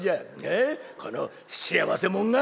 この幸せもんが！